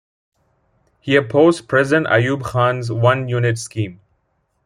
He opposed President Ayub Khan's 'One Unit Scheme'.